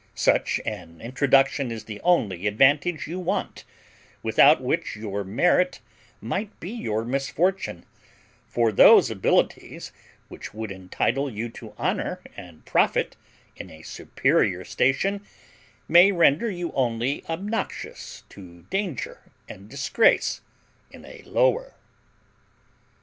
Such an introduction is the only advantage you want, without which your merit might be your misfortune; for those abilities which would entitle you to honour and profit in a superior station may render you only obnoxious to danger and disgrace in a lower."